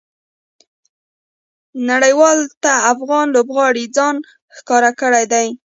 نړۍوالو ته افغان لوبغاړو ځان ښکاره کړى دئ.